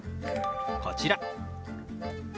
こちら。